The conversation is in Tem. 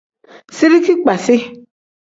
Zirigi kpasi.